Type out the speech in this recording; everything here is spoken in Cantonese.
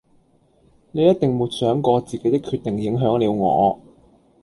你一定沒想過自己的決定影響了我